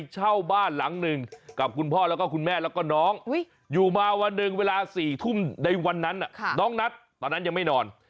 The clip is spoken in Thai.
หวัดหนึ่งเวลา๔ทุ่มในวันนั้นค่ะน้องนัทตอนนั้นยังไม่นอน